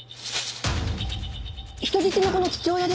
人質の子の父親ですよ！